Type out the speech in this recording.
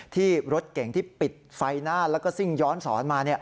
ที่รถเก่งที่ปิดไฟหน้าแล้วก็ซิ่งย้อนสอนมา